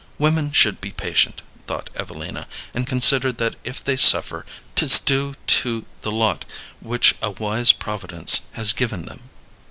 Women should be patient," thought Evelina, "and consider that if they suffer 't is due to the lot which a wise Providence has given them."